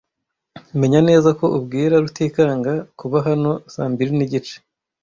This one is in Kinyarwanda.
Menya neza ko ubwira Rutikanga kuba hano saa mbiri nigice.